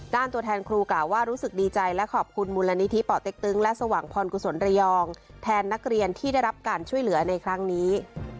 ตัวแทนครูกล่าวว่ารู้สึกดีใจและขอบคุณมูลนิธิป่อเต็กตึงและสว่างพรกุศลระยองแทนนักเรียนที่ได้รับการช่วยเหลือในครั้งนี้